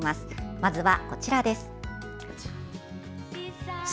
まずは、こちらです。